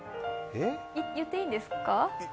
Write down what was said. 言っていいんですか？